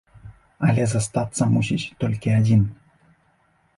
Але застацца мусіць толькі адзін!